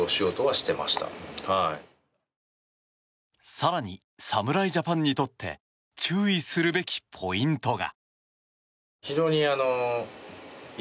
更に侍ジャパンにとって注意するべきポイントが。